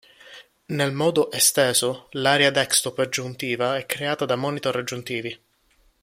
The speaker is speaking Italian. Nel modo "esteso", l'area desktop aggiuntiva è creata da monitor aggiuntivi.